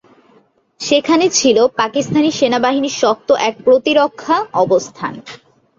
সেখানে ছিল পাকিস্তানি সেনাবাহিনীর শক্ত এক প্রতিরক্ষা অবস্থান।